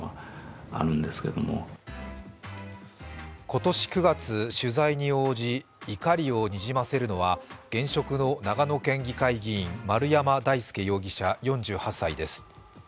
今年９月、取材に応じ怒りをにじませるのは現職の長野県議会議員丸山大輔容疑者４８歳です。